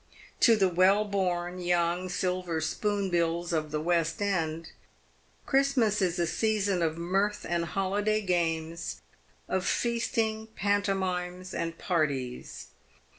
To the well born young silver spoonbills of the "West end, Christmas is a season of mirth and holiday games, of feasting, pantomimes, and parties.